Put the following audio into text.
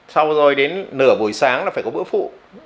xong rồi đến nửa buổi sáng là phải có bữa phụ